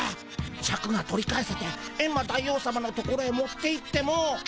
シャクが取り返せてエンマ大王さまの所へ持っていっても。